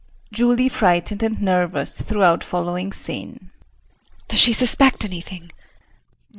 [Julie frightened and nervous throughout following scene.] JULIE. Does she suspect anything?